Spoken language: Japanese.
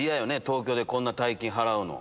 東京でこんな大金払うの。